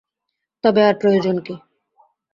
তবে আর প্রয়োজন কী?